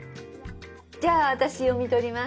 じゃあ私読み取ります。